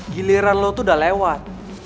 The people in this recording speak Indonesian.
giliran lo tuh udah lewat